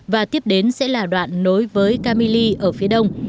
và tiếp đến sẽ là đoạn nối với kamily ở phía đông